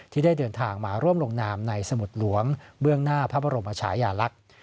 ที่ได้เดินทางมาร่วมลงนามในสมุดหลวงเบื้องหน้าพระบรมชายาลักษณ์